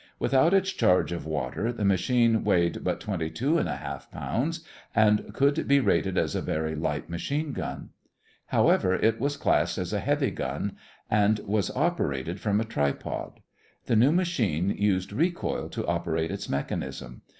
Without its charge of water the machine weighed but 22 1/2 pounds and could be rated as a very light machine gun. However, it was classed as a heavy gun and was operated from a tripod. The new machine used recoil to operate its mechanism.